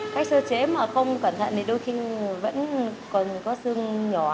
cách sơ chế mà không cẩn thận thì đôi khi vẫn còn có xương nhỏ